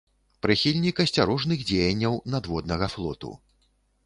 Прыхільнік асцярожных дзеянняў надводнага флоту.